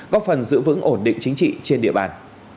góp phần giữ vững ổn định chính trị trên địa bàn